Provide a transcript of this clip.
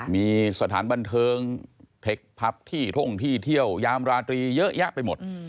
มีสถานบันเทิงเทคพับที่ท่งที่เที่ยวยามราตรีเยอะแยะไปหมด